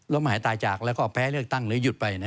หายตายจากแล้วก็แพ้เลือกตั้งหรือหยุดไป